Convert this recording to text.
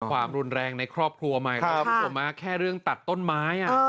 ความรุนแรงในครอบครัวใหม่ครับคุณผู้ชมแค่เรื่องตัดต้นไม้